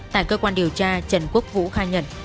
tại cơ quan điều tra trần quốc vũ khai nhận